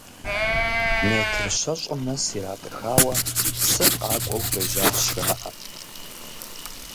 Метр щэщӏым нэс иратӏыхауэ псыр къакӏуэу хуежьащ жаӏэ.